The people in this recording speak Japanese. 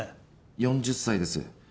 ４０歳です。